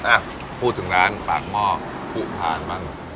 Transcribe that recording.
อ้าวพูดถึงร้านปากหม้อผู้ทานมัน